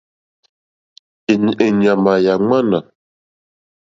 Èɲàmà yà ŋwánà.